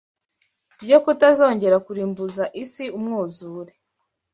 ryo kutazongera kurimbuza isi umwuzure